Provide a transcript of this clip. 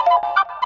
kau mau kemana